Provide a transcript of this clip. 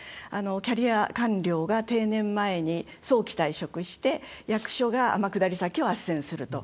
キャリア官僚が定年前に早期退職して役所が天下り先をあっせんすると。